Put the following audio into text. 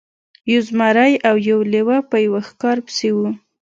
یو زمری او یو لیوه په یوه ښکار پسې وو.